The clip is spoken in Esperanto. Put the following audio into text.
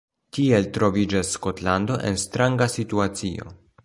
Tiel troviĝas Skotlando en stranga situacio.